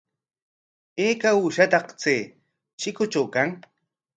¿Ayka uushataq chay chikutraw kan?